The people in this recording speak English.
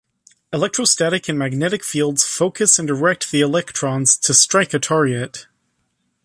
Electrostatic and magnetic fields focus and direct the electrons to strike a target.